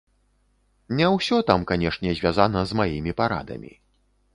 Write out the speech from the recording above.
Не ўсё там, канешне, звязана з маімі парадамі.